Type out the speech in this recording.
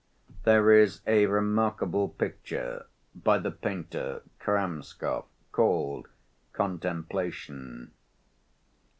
There is a remarkable picture by the painter Kramskoy, called "Contemplation."